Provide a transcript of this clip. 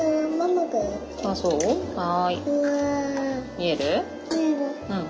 見える？